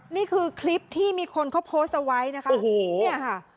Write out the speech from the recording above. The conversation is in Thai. นี่คือคลิปที่มีคนเขาโพสต์เอาไว้นะคะโอ้โหเนี่ยค่ะ